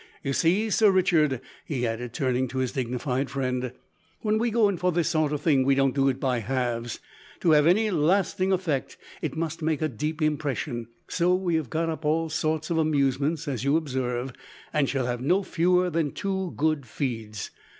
You see, Sir Richard," he added, turning to his dignified friend, "when we go in for this sort of thing we don't do it by halves. To have any lasting effect, it must make a deep impression. So we have got up all sorts of amusements, as you observe, and shall have no fewer than two good feeds.